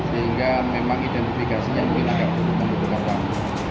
sehingga memang identifikasinya mungkin akan membuktikan